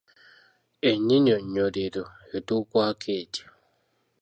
Ennyinyonnyolero etuukwako etya?